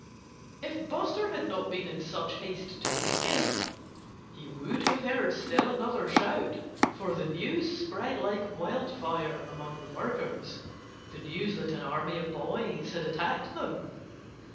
If Buster had not been in such haste to escape he would have heard still another shout. For the news spread like wildfire among the workers the news that an army of boys had attacked them.